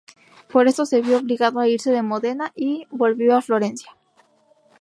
Por esto se vio obligado a irse de Módena y volvió a Florencia.